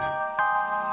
seneng yang guru dia